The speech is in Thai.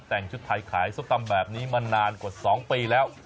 แต่งชุดไทยขายส้มตำแบบนี้มานานกว่า๒ปีแล้ว